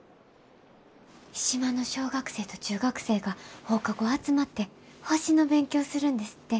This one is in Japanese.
島の小学生と中学生が放課後集まって星の勉強するんですって。